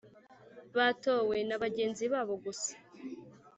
batowe na bagenzi babo gusa